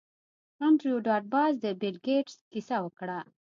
انډریو ډاټ باس د بیل ګیټس کیسه وکړه